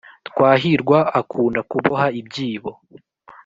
twahirwa akunda kuboha ibyibo